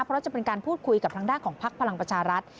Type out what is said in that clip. เพราะจะเป็นการพูดคุยกับทางด้านของพักพลังประชารัฐ